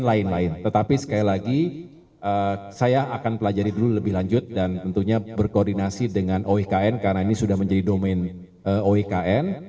lain lain tetapi sekali lagi saya akan pelajari dulu lebih lanjut dan tentunya berkoordinasi dengan oikn karena ini sudah menjadi domain oikn